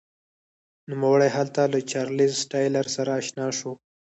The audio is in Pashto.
نوموړی هلته له چارلېز ټایلر سره اشنا شو.